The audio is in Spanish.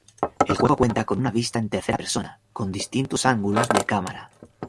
El juego cuenta con una vista en tercera persona, con distintos ángulos de cámara.